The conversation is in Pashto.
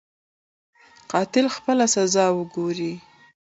قاتل خپله سزا وګوري.